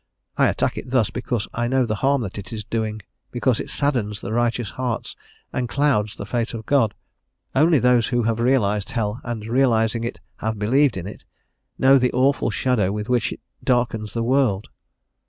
I attack it thus, because I know the harm that it is doing, because it saddens the righteous heart and clouds the face of God. Only those who have realised hell, and realising it, have believed in it, know the awful shadow with which it darkens the world.